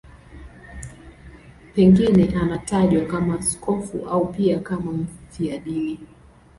Pengine anatajwa kama askofu au pia kama mfiadini.